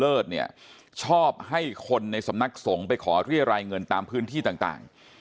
เพราะว่าพฤติกรรมของครูบาบุญเลิศชอบให้คนในสำนักสงฆ์ไปขอเรียรายเงินตามพื้นที่ต่าง